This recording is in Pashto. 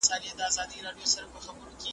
پیغمبر ص د رحمت نښه وه.